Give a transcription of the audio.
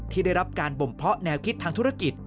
ที่ได้รับการบ่มเพาะแนวคิดทางธุรกิจ